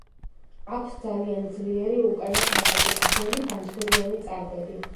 აქვს ძალიან ძლიერი უკანა ფეხები, გრძელი ბანჯგვლიანი წარბები.